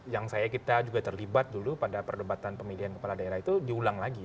yang saya kita juga terlibat dulu pada perdebatan pemilihan kepala daerah itu diulang lagi